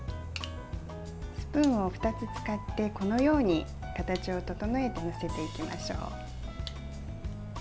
スプーンを２つ使ってこのように形を整えて載せていきましょう。